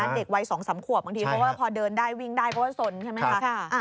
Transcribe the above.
เด็กวัย๒๓ขวบบางทีเขาก็พอเดินได้วิ่งได้เพราะว่าสนใช่ไหมคะ